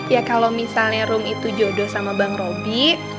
ya kalau misalnya rum itu jodoh sama bang robi